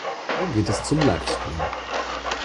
Wo geht es zum Livestream?